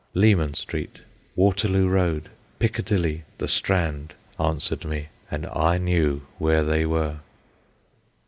Leman Street, Waterloo Road, Piccadilly, The Strand, answered me, and I knew where they were.